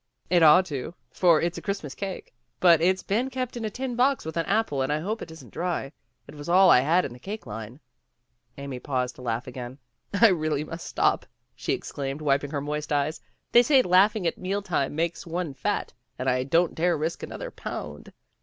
"It ought to, for it's a Christmas cake, but it's been kept in a tin box with an apple and I hope it isn't dry. It was all I had in the cake line." Amy paused to laugh again. "I really must stop," she exclaimed, wiping her moist eyes. "They say that laughing at meal time makes one fat, and I don't dare risk another pound.